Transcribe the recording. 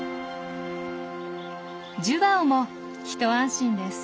ジュバオも一安心です。